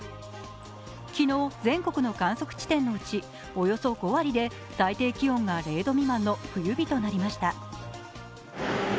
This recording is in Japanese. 昨日、全国の観測地点のうちおよそ５割で最低気温が０度未満の冬日となりました。